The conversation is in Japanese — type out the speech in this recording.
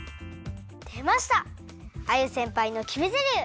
でましたアユせんぱいのきめゼリフ！